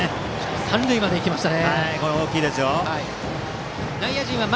三塁まで行きました。